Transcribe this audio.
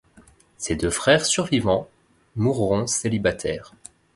Ses deux frères survivants mourront célibataires.